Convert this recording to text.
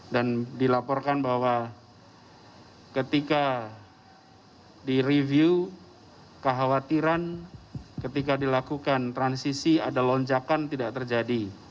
dan dilaporkan bahwa ketika direview kekhawatiran ketika dilakukan transisi ada lonjakan tidak terjadi